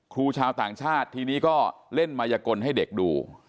ครูชาวต่างชาติทีนี้ก็เล่นมายกลให้เด็กดู